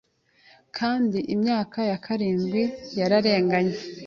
Kandi imyaka ya karindwi yararenganye